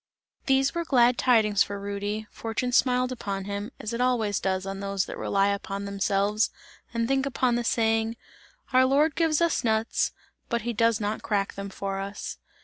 These were glad tidings for Rudy, fortune smiled upon him, as it always does on those that rely upon themselves and think upon the saying: "Our Lord gives us nuts, but he does not crack them for us!"